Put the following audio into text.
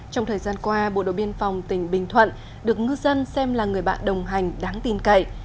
trong thời gian qua bộ đội biên phòng tỉnh bình thuận được ngư dân xem là người bạn đồng hành đáng tin cậy